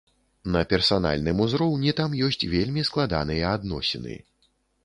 На персанальным узроўні там ёсць вельмі складаныя адносіны.